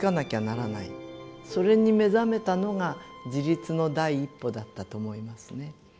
それに目覚めたのが自立の第一歩だったと思いますね。